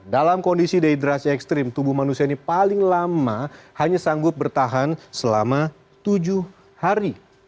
dalam kondisi dehidrasi ekstrim tubuh manusia ini paling lama hanya sanggup bertahan selama tujuh hari